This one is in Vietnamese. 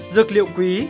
dược liệu quý